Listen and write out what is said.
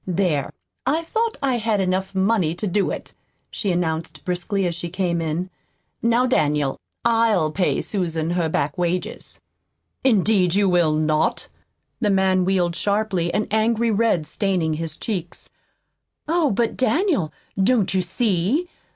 "There, I thought I had enough money to do it," she announced briskly as she came in. "Now, Daniel, I'LL pay Susan her back wages." "Indeed you will not!" The man wheeled sharply, an angry red staining his cheeks. "Oh, but Daniel, don't you see?